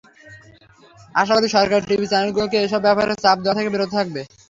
আশা করি, সরকার টিভি চ্যানেলগুলোকে এসব ব্যাপারে চাপ দেওয়া থেকে বিরত থাকবে।